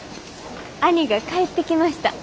兄が帰ってきました。